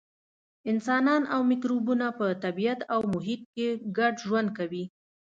انسانان او مکروبونه په طبیعت او محیط کې ګډ ژوند کوي.